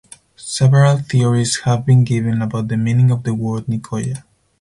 Several theories have been given about the meaning of the word Nicoya.